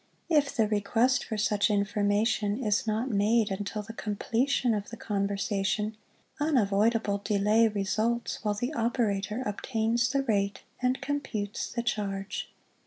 If the request for such information is not made until the completion of the conversation, unavoidable delay results while the operator obtains the rate and computes the charge.